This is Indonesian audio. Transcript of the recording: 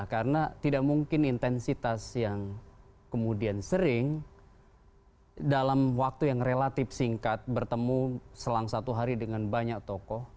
karena tidak mungkin intensitas yang kemudian sering dalam waktu yang relatif singkat bertemu selang satu hari dengan banyak tokoh